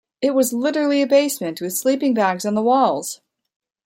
It was literally a basement with sleeping bags on the walls!